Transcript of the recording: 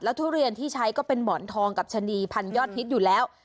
ทุเรียนที่ใช้ก็เป็นหมอนทองกับชะนีพันยอดฮิตอยู่แล้ว